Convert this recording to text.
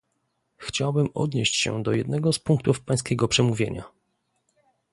Chciałbym odnieść się do jednego z punktów pańskiego przemówienia